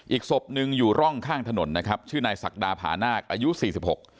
อีกศพหนึ่งอยู่ร่องข้างถนนนะครับชื่อนายศักดาผานาคอายุสี่สิบหก